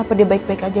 apa dia baik baik aja